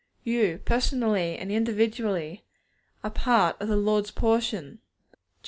You, personally and individually, are part of the Lord's portion (Deut.